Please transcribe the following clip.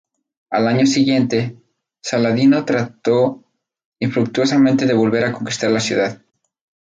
Al año siguiente, Saladino trató infructuosamente de volver a conquistar la ciudad.